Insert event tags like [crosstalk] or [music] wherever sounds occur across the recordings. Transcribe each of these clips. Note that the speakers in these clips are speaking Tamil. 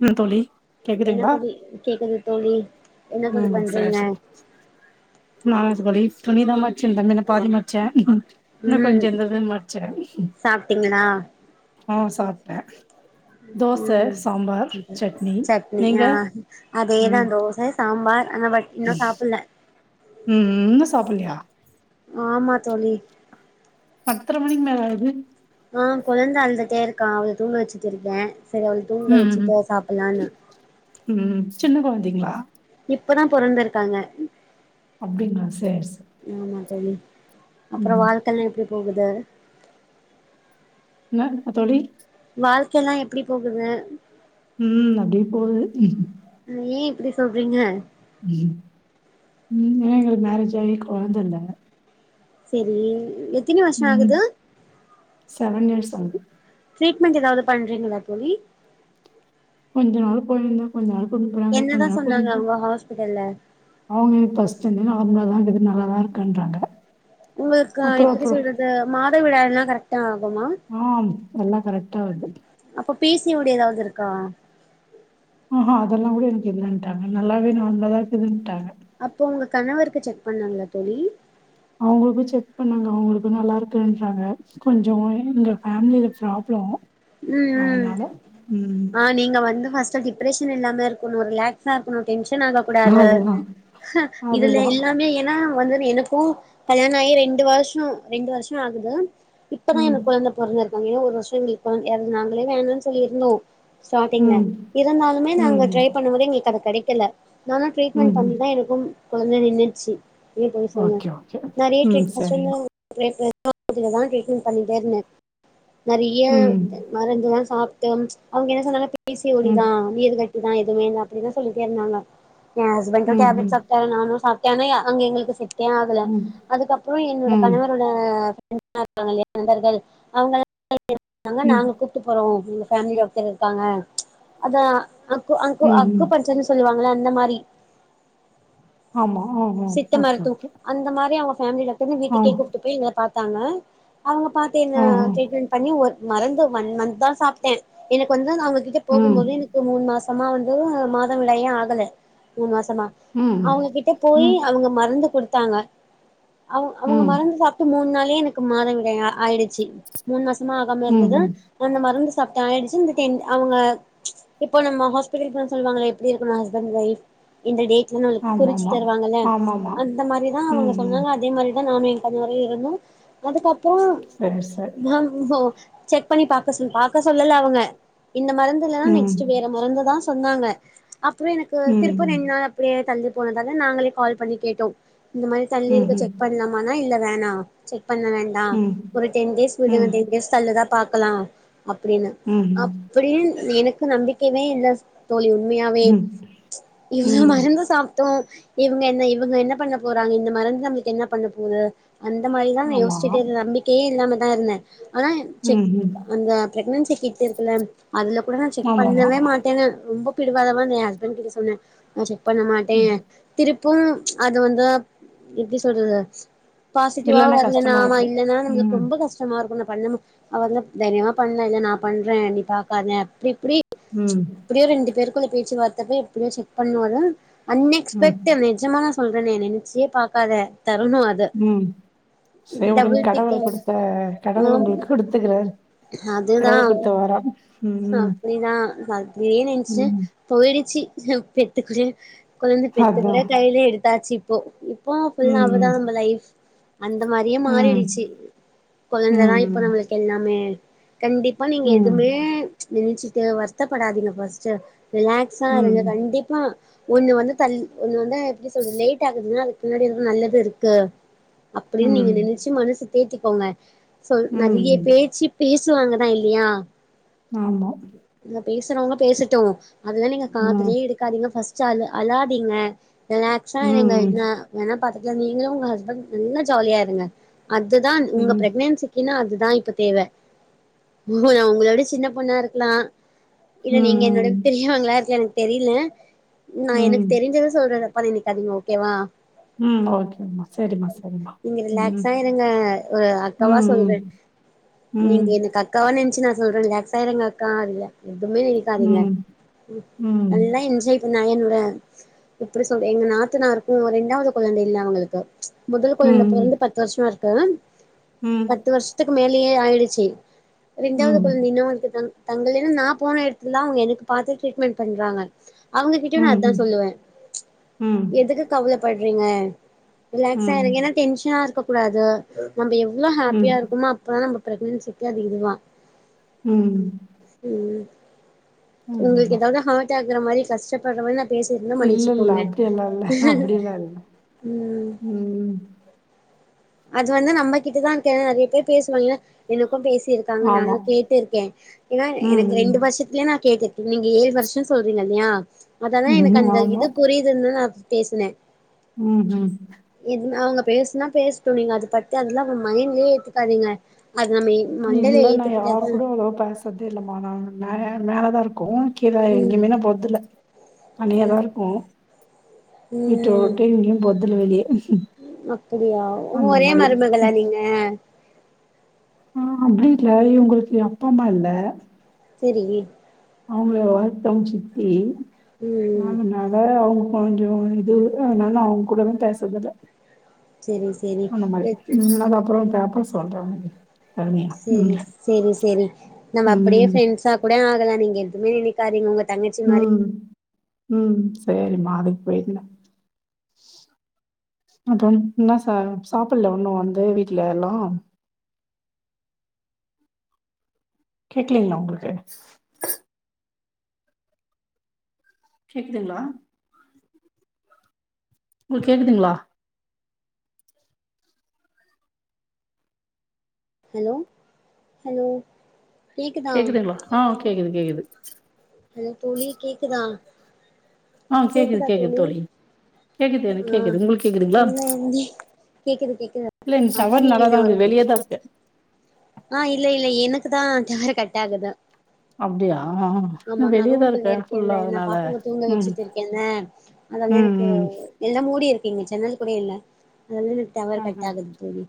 என்ன தோழி என்ன கேக்குதுங்களா தோழி கேக்குது தோழி என்ன தோழி பண்றீங்க நானா தோழி துணிதா மச்சுன்ருந்த இனு பாதி மச்சே இன்னு ம் கொஞ்சோ இருந்ததுன் மட்ச்சே சாப்ட்டீங்களா ஆ சாப்ட்டே தோச ம் சாம்பார் சட்னி நீங்க ஆ அதேதா ம் தோச சாம்பார் ஆனா பட் இன்னு சாப்புல்ல ம் இன்னு சாப்புல்லையா ஆமா தோழி பத்தர மணிக் மேல ஆகுது ஆ கொழந்த அழுந்துட்டே இருக்கா அவள தூங்க வெச்சுட்டு இருக்கே செரி அவள தூங்க ம் வெச்சுட்டு சாப்பல்லானு ம் சின்ன கொழந்தைங்ளா இப்பதா பொறந்திருக்காங்க அப்டிங்ளா சேரி சே ஆமா தோழி அப்புறோ வாழ்க்கல்லா எப்டி போகுது என்ன தோழி வாழ்க்கைலா எப்டி போகுது ம் அப்டியே போகுது ஏ இப்டி சொல்றீங்க இன்னுமே எங்களுக்கு மேரேஜ் ஆகி கொழுந்த இல்ல செரி எ ம் செவன் இயர்ஸ் ஆகுது ட்ரீட்மெண்ட் எதாது பண்றீங்களா தோழி கொஞ்சோ நாள் போனோங்க கொஞ்சோ நாள் கூட்டிட் போறாங்க கொஞ்ச என்னதா நாள் சொன்னாங்க கூட்டிட் அவங்க ஹாஸ்பிட்டல்ல அவுங்க ஃபஸ்டுலருந்து நார்மலா தா இருக்குது நல்லாதா இருக்குன்றாங்க உங்களுக்கா அப்புறம் எப்டி அப்புறம் சொல்றது மாதவிடாய்லா கரெக்டா ஆகுமா ஆம் எல்லா கரெக்ட்டா வருது அப்போ பி சி ஓ டி ஏதாது இருக்கா ஆ ஹா அதெல்லா கூடோ எனக்கு இல்லன்டாங்க நல்லாவே நார்மலாதா இருக்குதுன்டாங்க அப்போ உங்க கணவருக்கு செக் பண்ணாங்ளா தோழி அவுங்களுக்கு செக் பண்ணாங்க அவுங்களுக்கு நல்லா இருக்குன்டாங்க கொஞ்சோ எங்க ஃபேமிலில ப்ராப்ளம் ம் ம் அதனால ம். ஆ நீங்க வந்து ஃபர்ஸ்டு டிப்ரேஷன் இல்லாம இருக்கனும்ல க இருக்கனு டென்ஷன் ஆக கூடாது அதுதான், கு அதுதான். கல்யாணோ ஆயி ரெண்டு வர்ஷோ ரெண்டு வர்ஷோ ஆகுது இப்பதா ம், எனக்கு கொழந்த பொறந்துருக்கு அங்கயு ஒரு வர்ஷோ இப்போ எறந் நாங்களே வேணாம்னு சொல்லி இருந்தோ ஸ்டார்டிங்ல ம், இருந்தாலுமே நாங்க ம், ட்ரை பண்ணும் போது எங்களுக்கு அது கடைக்கல நால்லா ம், ட்ரீட்மெண்ட் ம். பண்ணிதா எனக்கு கொழந்த நின்னுச்சி வீட்லயு சொன்னோ ஓகே, ஓகே. நறைய ம், ட்ரீட் கஷ்டோ சரிம்மா. தா பிரைவேட்ல தா [inaudible] பண்ணிட்டே இருந்தேன் நறைய ம், மருந்துலா சாப்புட்டு அவுங்க என்ன சொன்னாங்க பி சி ஓ டி ம், தா நீர் கட்டிதா எதுமே இல்ல அப்டி தா சொல்லிட்டே இருந்தாங்க எயா ஹஸ்பெண் தா ம், டேப்லெட் சா ம், டாரு நானு சாப்டே ஆனா அங்க எங்களுக்கு செட்டே ஆகல ம், அதுக்கப்றோ என்னோட ம், கணவர் வந் அதா [inaudible] இருப்பாங்கு இல்லையா நண்பர்கள் அவுங்கள்லா சொன்னாங்க ம், நாங்க கூப்டு போறோ எங்க ஃபேமிலி ஒருத்தர் இருக்காங்க அதா க்கு அங்கு ம், ம். அக்கு பஞ்சர்ன்னு சொல்லுவாங்கள்ல அந்த மாரி ஆமா ஆமா சித்த ஓகே மருத்துவ ஓகே அந்த மாரி அவுங்க ஃபேமிலி டாக்டர்னு ஆ. வீட்டுக்கே கூப்டு போய் எங்கள பாத்தாங்க அவுங்க பாத்து என்ன ஆஹா. ட்ரீட்மெண்ட் பண்ணி ஒரு மறந்து ஒன் மந்த்தா சாப்டே எனக்கு வந்து நா அவுங்ககிட்ட போகும் ம். போதே எனக் க்கு மூணு மாசமா வந்து மாத விடாயே ஆகல மூணு மாசமா அவுங்க ம். கிட்ட போயி ம். அவுங்க மருந்து குடுத்தாங்க அவ ம். அவுங்க ம். மருந்து சாப் டு மூண் நாளே எனக்கு மாதவிடாய் ஆ ஆயிடுச்சி மூணு மாசமா ஆகாம இருந்தது ம். இந்த மருந்து சாப்டே ஆயிடுச்சி இந்த தென் அவுங்க இப்போ நம்ம ஹாஸ்பிட்டலுக்கு போனா சொல்வாங்கலே எப்டி இருக்கனு ஹஸ்பண்ட் ஒய்ஃப் இந்த டேட்டுனு குறிச்சு ஆமாமா. தருவாங்கல்ல ஆமாமா. அந்த மாரி தா ம். அவுங்க ம். சொன்னாங்க அதே மாரிதா நானு அது மாரியே இருந்தோ அதுக்கப்றோ சரி, சரி. நான் ஒ செக் பண்ணி பாக்க சொல் பாக்க சொல்லல அவுங்க இந்த மருந்து இல்லனா ம். நெக்ஸ்ட் வே மருந்துதா சொன்னாங்க அப்றோ எனக்கு திருப்ப ரெண் ம். நாளா பீரியட் தள்ளி போனதால நாங்களே கால் பண்ணி கேட்டோம் இந்த மாரி தள்ளி இருக்கு ம்ஹ்ம். செக் பண்லாம் லாமா இல்ல வேணா செக் பண்ண வேண்டா ம். ஒரு டென் டேஸ் விடுங்க ம். டென் டேஸ் தல்லுதா பாக்கலா அப்டின்னு ம்ஹ்ம். அப்டின்னு எனக்கு நம்பிக் க்கேமே இல்ல தோழி உண்மையாவே ம். இவ்ளோ ம். மருந்து சாப்டோ இவுங்க என்ன இவுங்க என்ன பண்ண போறாங்க இந்த மருந்து நம்மளுக்கு என்ன பண்ண போது அந்த மாரிதா நா ஆமா. யோசிச்சிட்டே இருந்த நம்பிக்கயே இல்லாமதா இருந்தே ஆனா செக் ம்ஹ்ம். அந்த பிரக்னன்சி கிட் இருக்குல்ல அதுல கூட நான் செக் ஆமாமா. பண்ணவே மாட் டேன்னு ரொம்ப பிடிவாதவமா எயா ஹஸ்பண்ட் கிட்ட சொன்னே நா செக் பண்ண மாட்டே ம். திருப்பும் அது வந்து எப்டி சொல்றது பாசிட்டிவா இல்லன்னா வர்லனா கஷ்டமா ஆமா இருக்கும். இல்லன்னா நம்மக்கு ம். ரொம்ப கஷ்ட வருத்தமா இருக்கு நா பண்ணே மாட் அவர்ல தைரியமா பண்ணு இல்ல நா பண்றே நீ பாக்காத அப்டி இப்டி ம். இப்டியோ ரெண்டு பேருக்குள்ள பேச்சு வார்த்தைப் பேய் எப்படியோ செக் பண்ணவொன அன் ம். எக்ஸ்பெக்ட்லி நிசமானா சொல்றேனே நெனைச்சே பாக்காத தரணு அ து ம். சரி விடுங்க. டபுள் கடவுள் டிக்குனு குடுத்த அ கடவுள் உங்களுக்கு குடுத்துக்கிறாரு. அதுதா கடவுள் குடுத்த வரம். ம். அப்டிதா அ அப்படியே நென்ச்சு ம். போயிடுச்சு அ பெட்டுக்குள்ளயே கொழந்த பெத்துக்கூட அதான். கையில எடுத்தாச்சு இப்போ இப்போ ஃபுல்லா ம். அவதா நம்ம லைஃப் அந்த மாரியே ம். மாறிடிச்சு கொழந்தத தா இப்போ ம். நம்மளுக்கு எல்லாமே கண்டிப்பா நீங்க எதுவுமே ம். நெனச்சிட்டு வருத்தப்படாதீங்க ஃபர்ஸ்ட்டு ரிலாக்ஸா இருங்க ம். கண்டிப்பா ஒண்ணு வந்து தல் ஒண்ணு வந்து எப்டி சொல்ற லேட் ஆகுதுன்னா அதுக்கு பின்னாடி எதுவு நல்லது இருக்கு அப்டின்னு நீங்க ம். நெனச்சு மனசு தேத்திக்கோங்க சோ நெறைய ம். பேச்சு பேசுவாங்க தா இல்லையா ஆமா இங்க பேசுறவங்க பேசட்டோ அதுல்லா நீங்க ம். காதுலயே எடுக் காதிங்க ஃபஸ்ட்டு அழ் அழாதிங்க ரிலாக்ஸா இருங்க ம். இன்ன ஏன்னா பாத்துக்கலா நீங்களு உங்க ஹஸ்பண்ட் நல்ல ஜாலியா இருங்க அதுதா நீங்க ம். பிரக்னன் சிக்கினா அதுதா இப்ப தேவ நா உங்களோட சின்ன பொண்ணா இருக்குலா இல்ல நீங்க என்னோட ம். பெரியவங்களா இருக்குலா எனக்கு தெரியில நா எனக்கு ம். தெரிஞ்சத சொல்றது பத்தி நிக்காதிங்க ஓகேவா ம். ஓகேம்மா. சரிம்மா, சரிம்மா. நீங்க ம். ரிலாக்ஸா இருங்க ஆ காவா ம். சொல்றே ம். நீங்க இது அக்காவா நென்ச்சு நா சொல்றே ரிலாக்ஸா இருங்க அக்கா இல்ல எதுவுமே நென காதிங்க ம். ம். நல்லா என்ஜாய் நா என்னோட இப்டி சொல்ற எங்க நாத்தனாருக்கு இரண்டாவது குழந்த இல்ல அவங்களுக்கு முதல் குழந்த ம். பொறந்து பத்து வருஷ இருக்கு ம். பத்து வருஷத்துக்கு மேலேயே ஆயிடுச்சு ரெண்டாவது கொழந்த ம். இன்னு [unintelligible] தங்கள் என்ன நா போன எடத்துல அவங்க எனக்கு பாத்து ட்ரீட்மெண்ட் பண்றாங்க அவங்க கிட்டயு நா அதா ம். சொல்லுவே ம். எதுக்கு கவலப்பட்றீங்க ரிலாக்ஸா இருங்க ம். ஏன்னா டென்ஷனா இருக்கக்கூடாது நம்ப எவ்ளோ ஹாப்பியா ம். இருக்குமோ அ ப்பதா நம்ப பிரெக்னன்சிக்கு அது இதுவா ம் ம் உங்களுக்கு ஆமாம்மா. ஏதாவது ஹட் ஆக்குற மாரி கஷ்டப்படுற மாரி நா பேசிருந்தா இல்ல, இல்ல. மன்னிச்சுக்கோங்க அப்படியெல்லாம் இல்ல. அப்படியெல்லாம் இல்ல. ம் ம் அது வந்து நம்மகிட்டதா கே நெறைய பேர் பேசுவாங்க எனக்கு பேசி இருக் காங்க ஆமா. நானு கேட்டிருக்கே ஏன்னா எனக்கு ரெண்டு ம். வருஷத்துலயே நா கேட்டிருக் நீங்க ஏழு வருஷ சொல்றீங்க இல்லையா அததா எனக்கு ம். அந்த ஆமா. இது புரியுதுன்னு தா நா பேசுனே ம் ஹும் இது அவங்க பேசுனா பேச்ட்டு நீங்க அத பத்தி அதெல்லா மைண்ட்லயே எத்துக்காதீங்க அது நம்ம மண்டைல இல்ல நா யாரு ஏத்திக்கிட்டாதா கூட அவ்ளவோ பேசதே இல்லாமா நா மேல மேலதா இருக்கு கீழ ம் எங்கயுமே நா பொறதுல தனியாதா ம் இருக்கோ வீட்ட விட்டு எங்கயு போறதுல்ல வெளியே அப்டியா ஒரே மருமகளா நீங்க ஆ அப்டி இல்ல இவுங்களுக்கு அப்பா அம்மா இல்ல சரி அவங்கள வளத்தம் ஜித்தி ம் அதனால அவங்க கொஞ்சோ இது அதனாலும் அவங்க கூடவு பேசுதர்ல செரி செரி அந்த மாரி ம் அப்புறோ பாப்போம் சொல்றேன் ஒனக்கி சேரி சேரி சேரி நம்ம அப்படியே ம் ஃப்ரெண்ட்ஸா கூட ஆகலாம் நீங்க எதுவ்மே நெனை காதிங்க ஒங்க தங்கச் ம் ம் சேரி மாடிக்கு போயிருந்த அப்றோம் என்ன ச சாப்பல்ல ஒண்ணும் வந்து வீட்டுல இன்னும் கேக்கலைங்களா ஒங்களுக்கு கேக்குதுங்களா உங்களுக் கேக்குதுங்களா ஹலோ ஹலோ கேக்குதா கேக்குதுங்கள்ளா ஆ கேக்குது கேக்குது ஹலோ தோழி கேக்குதா ஆ கேக்குது கேக்குது தோழி கேக்குது எனக்கு ஆ கேக்குது உங்களுக்கு கேக்குதுங்களா இல்ல இங்க கேக்குது கேக்குது இல்ல அதா டவரு நீங்க நல்லாதா என்ன ஒரு இருக்குது வெளியதாருக்கேன் ஆ இல்ல இல்ல ஏனக்கு தா டவரு கட் ஆகுது அப்டியா ஆமா நா வெளியேதா ரூம்க்குள்ள இருக்கே ஃபுல்லா இருக்கேல நா அதனால பாப்பாவ தூங்க ம் வச்சுட்டு இருக்கேங்ல அதன ம் எனக்கு ம் எல்லாம் மூடி இருக்குங்க ஜன்னல் கூட இல்ல அதனால டவர் கட் ஆகுது தோழி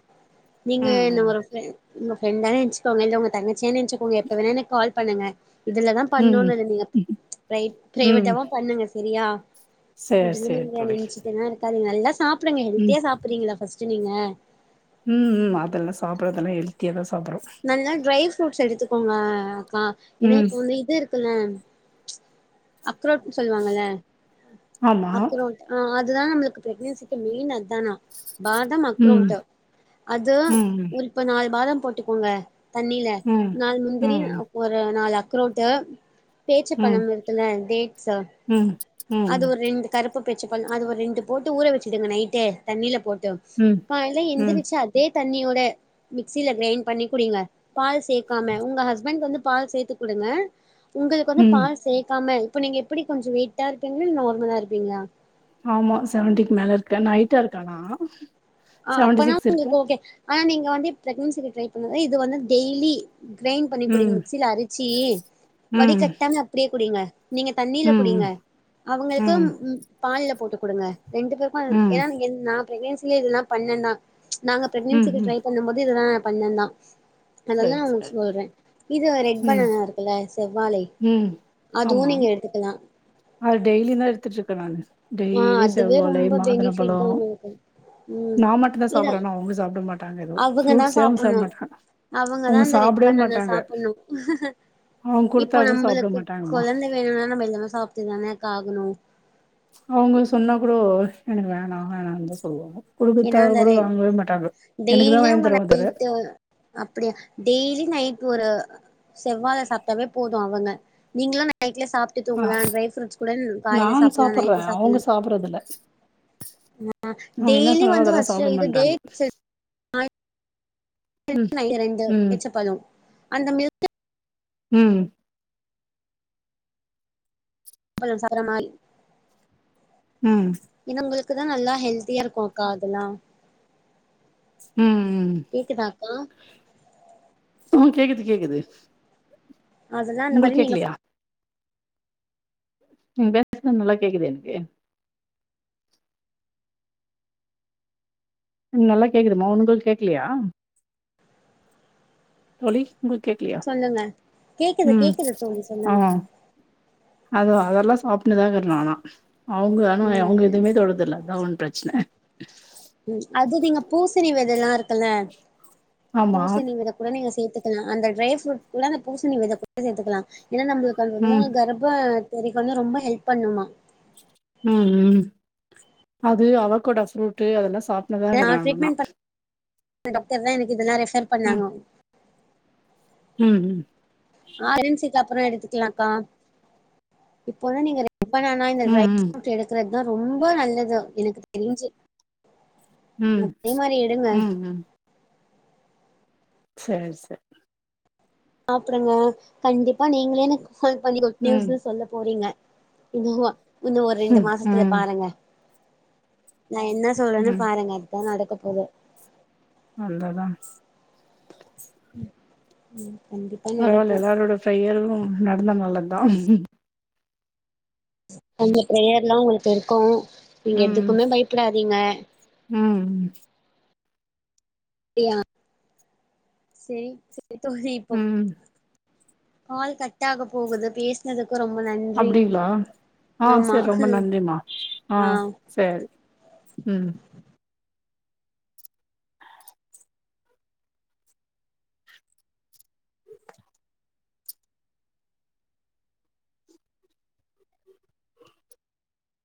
நீங்க என்ன ம் ஒர்க்கு உங்க ஃப்ரண்டான நச்சுக்கோங்க இல்ல உங்க தங்கச்சியா நச்சுக்கோங்க எப்போ வேணா எனக்கு கால் பண்ணுங்க இதுலதா பண்ணனு ம் இல்ல நீங்க ப்ரை ம் ம் பிரைவேட்டாவு பண்ணுங்க செரியா சேரி இது சேரி நீங்க தோழி நெனைச்சுட்டுலா இருக்காதிங்க நல்லா சாப்டுங்க ம் ஹெல்த்தியா சாப்புறீங்களா ஃபர்ஸ்ட்டு நீங்க ம் ம் அதெல்லா சாப்பறதெல்லா ஹெல்த்தியா தா சாப்பற்றோம் நல்லா ட்ரை ஃப்ரூட்ஸ் எடுத்துக்கோங்க அக்கா ஏன்னா ம் இப்ப வந்து இதுருக் துல்ல அக்ரோட் சொல்வாங்கல ஆமா அக்ரோல் ஆ அதுதான் நம்மளுக்கு பிரெக்னன்சிக்கு மெயின் அத்தானா பாதம் ம் அக்ரோண்ட் அது ம் இப்ப நாலு பாதம் போட்டுக்கோங்க தண்ணில ம் நாலு ம் முந்திரி ம் ஒரு நாலு அக்கரோட்டு பேச்சு ம் பழம் இருக்குல டேட்ஸ் ம் அது ம் ஒரெண்டு கருப்பு பேரிச்ச பழம் அது ஒரு ரெண்டு போட்டு ஊற வச்சுடுங்க நைட்டு தண்ணியில போட்டு ம் காலைல ம் எந்திரிச்சி அதே தண்ணியோட மிக்சில க்ரைண் பண்ணி குடிங்க பால் சேக்காம உங்க ஹஸ்பண்ட் வந்து பால் சேத்து குடுங்க உங்களுக்கு வந்து ம் பால் சேக்காம இப்போ நீங்க எப்படி கொஞ்சோ வெயிட்டாக இருப்பீங்களா இல்ல நார்மலா இருப்பீங்களா ஆமா செவன்டிக்கு மேல இருக்கேன் ஹைட்டா இருக்கனா ஆ அப்பனா உங்களுக்கு ஓகே ஆனா நீங்க வந்து பிரக்னன்சிக்கு டிரை பண்ண இது வந்து டெய்லி க்ரைண் பண்ணி குடிங்க ம், மிக்சில அரச்சி வடி ம், கட்டாம அப்டியே குடிங்க நீங்க தண்ணியில குடிங்க ம், அவங்களுக்கு ம் பால்ல போட்டு குடுங்க ரெண்டு பேர் மல் ம், ஏனா ஏன் நா ப்ரக்னன்சில இதெல்லாம் பண்ணன்னா நாங்க ம், பிரெக்னன்சிக்கு ம். ட்ரை பண்ணும் போது இதுதான் ந பண்ணன் நா அதெல்லா சரி, ஒங்களு சரி. சொல்றேன் இது ரெட் ம், பனானா இருக்குல்ல செவ்வாழை ம். அதுவும் ஆமா. நீங்க எடுத்துக்கலான் அது டெய்லியு தா எடுத்துட்டு இருக்கேன் நானு ஆ டெய்லி அதுவே செவ்வாழை ரொம்ப மாதுல பெனிஃபிட் தா பழோம் உங்களுக்கு ம் நா மட்டுதா இதா சாப்படுற அவங்க சாப்ட மாட்டாங்க எதும் அவங்கதா ஃப்ரூட்ஸ்யே அவங்க சாப்புட்ணு சாப்பட மாட்டாங்க அவங்கதா அவுங்க அந்த ரெட் சாப்பிடவே பனானா மாட்டாங்க. சாப்பிட்ணு அவுங்க குடுத்தா இப்போ கூட சாப்பிட நம்மளுக்கு மாட்டாங்கம்மா. கொழந்தை வேணும்னா நம்ம எல்லாம சாப்ட்டுதானே க்கா ஆகணு அவங்க சொன்னா கூட எனக்கு வேணா வேணானு தா சொல்லுவாங்க குடுத்தா ஏனா அந்த கூட ரெ வாங்கவே மாட்டாங்க எனக்கு தா டெய்லியு வாங்கி அவங்க தர மாட்டாரு நைட்டு அப்டியா டெய்லி நைட் ஒரு செவ்வாழ சாப்பிட்டாவே போது அவுங்க நீங்களு நைட்ல சாப் விட்டு ஆ தூங்கலா டரை ஃப்ரூட்ஸ் கூட காலைல நான் சாப்பிடலா நைட் சாப்புட்றேன் அவங்க சாப்பிடலா சாப்புட்றதில்ல ஆ அவங்க என்ன டெய்லி சொன்னாலும் வந்து அதெல்லா ஃபர்ஸ்ட் சாப்ட இது மாட்றாங்க டேட்ஸ் எடு ம் நைட்டு ரெண்டு ம் பேரிச்ச பழம் அந்த மில் ம் பழம் சாப்ட்ற மாரி ம் இன்ன உங்களுக்கு தா நல்லா ஹெல்தியா இருக்குகா அதெல்லா ம் ம் கேக்குதா அக்கா அ கேக்குது கேக்குது அதெல்லா அந்த மாரி உங்களுக்கு நீங்க கேக்கலையா நீ பேசுறது நல்லா கேக்குதே எனக்கு நல்லா கேக்குதுமா உங்களுக்கு கேக்குலயா தோழி உங்களுக்கு கேக்கலயா சொல்லுங்க கேக்குது ம் கேக்குது தோழி ஆ சொல்லுங்க அதுவா அதெல்லா சாப்டதே இல்ல நாலா அவுங்க ஆனா அவுங்க ம் எதுவுமே தொட்றது இல்ல அதா பிரச் ச்ச ம் அது நீங்க பூசணி வெத எல்லா இருக்குல்ல ஆமா பூசணி வெத ட நீங்க சேத்துகலா அந்த ட்ரை ஃபுரூட் கூட அந்த பூசணி வெத போட்டு சேத்துகலா இல்ல நம்ளுக்கு அந்து ம் நோய் வர ப செரி பண்ண ரொம்ப ஹெல்ப் பண்ணுமா ம் ம் அது அவகோடா ஃப்ரூட்டு அதெல்லா சாப் நா ட்ரீட்மெண்ட் பண் டாக்டர் தா எனக்கு இதெல்லா ரெஃபர் ம் பண்ணாங்க ம் ம் ஆ கரன்சிக்கு அப்றோ எடுத்துக்கலாக்கா இப்போதா நீங்க இப்ப நானா இந்த ட்ரை ம் ஃப்ரூட் எடுக்றதுதா ரொம்ப நல்லது எனக்கு தெரிஞ்சி ம் ம் அதே மாரி எடுங்க ம் செரி செரி சாப்டுங்க கண்டிப்பா நீங்களே எனக்கு கால் பண்ணி குட் ம் நியூஸ்னு சொல்ல போறீங்க இன்னு இன்னு ஒரு ரெண்டு ம் மாசத்துல ம் பாருங்க நா என்ன சொல்றன்னு ம் பாருங்க இதா நடக்க போகுது அந்த தா [inaudible] ம் கண்டிப்பா பரவால நடக்கு எல்லாரோட ஃபிரயரும் நடந்தா நல்லது தா எங்க ஃபிரையர் எல்லா உங்களுக்கு இருக்கு நீங்க ம் எதுக்குமே பயப்படாதீங்க ம் அப்டியா செரி செரி தோழி இப்போ ம் கால் கட் ஆக போகுது பேச துக்கு ரொம்ப நன் அப்டிங்களா ஆ செரி ரொம்ப நன்றிமா ஆ சேரி ம்